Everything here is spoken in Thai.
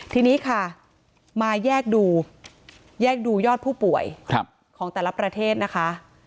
ทีนี้ค่ะมาแยกดูแยกดูยอดผู้ป่วยของแต่ละประเทศนะคะ